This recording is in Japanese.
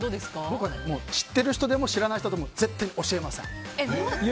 僕は知っている人でも知らない人でも絶対に教えません。